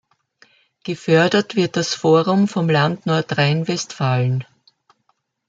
Gefördert wird das Forum vom Land Nordrhein-Westfalen.